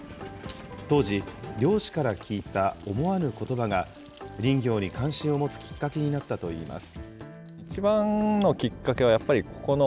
当時、漁師から聞いた思わぬことばが、林業に関心を持つきっかけになったといいます。